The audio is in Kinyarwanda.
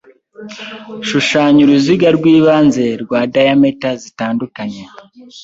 Shushanya uruziga rwibanze rwa diameter zitandukanye.